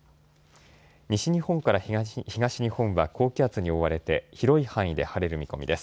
西日本から東日本は高気圧に覆われて広い範囲で晴れる見込みです。